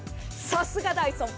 さすがダイソン。